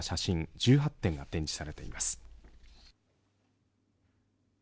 １８点が展示されています。